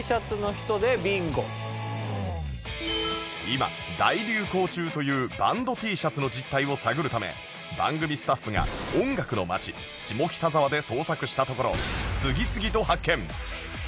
今大流行中というバンド Ｔ シャツの実態を探るため番組スタッフが音楽の街下北沢で捜索したところ次々と発見！